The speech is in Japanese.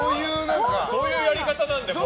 そういうやり方なんだよ。